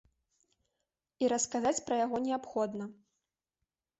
І расказаць пра яго неабходна.